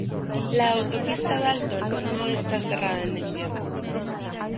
La autopista Dalton no esta cerrada en invierno.